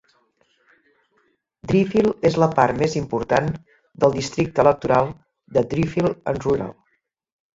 Driffield és la part més important del districte electoral de Driffield and Rural.